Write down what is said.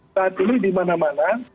saat ini dimana mana